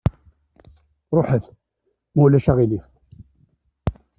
Ruḥet, ma ulac aɣilif!